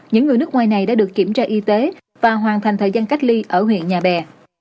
những người nước ngoài này đã được kiểm tra y tế và hoàn thành thời gian cách ly ở huyện nhà bè